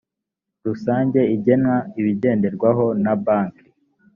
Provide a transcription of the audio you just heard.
rusange igena ibigenderwaho na banki